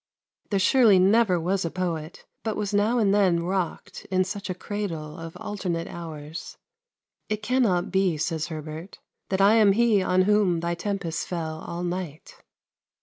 There surely never was a poet but was now and then rocked in such a cradle of alternate hours. "It cannot be," says Herbert, "that I am he on whom Thy tempests fell all night."